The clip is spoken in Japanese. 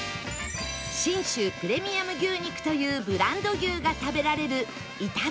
信州プレミアム牛肉というブランド牛が食べられる頂さん